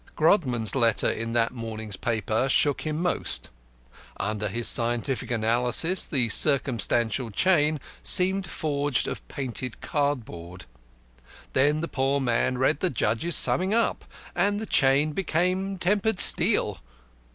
Grodman's letter in that morning's paper shook him most; under his scientific analysis the circumstantial chain seemed forged of painted cardboard. Then the poor man read the judge's summing up, and the chain became tempered steel.